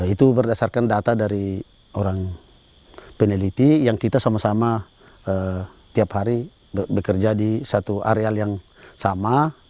itu berdasarkan data dari orang peneliti yang kita sama sama tiap hari bekerja di satu areal yang sama